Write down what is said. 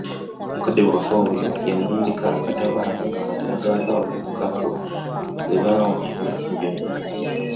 Mukadde waffe oyo yawunzika akatabo ako ng'atulaga ng'abavubuka abo bwe baawangula mu byonna.